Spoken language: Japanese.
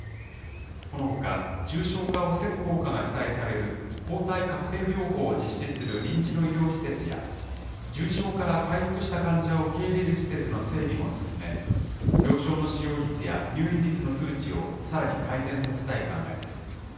このほか、重症化を防ぐ効果が期待される抗体カクテル療法を実施する臨時の医療施設や、重症から回復した患者を受け入れる施設の整備も進め、病床の使用率や入院率の数値をさらに改善させたい考えです。